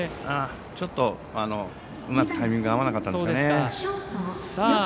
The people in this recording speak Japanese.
ちょっと、うまくタイミングが合わなかったですかね。